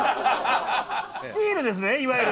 スチールですねいわゆる。